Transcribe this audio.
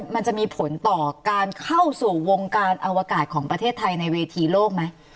มันจะมีผลต่อการเข้าสู่วงการอวกาศของประเทศไทยในเวทีโลกไหม